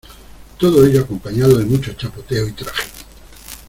todo ello acompañado de mucho chapoteo y trajín.